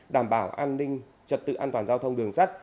đảm bảo an ninh trật tự an toàn giao thông đường sắt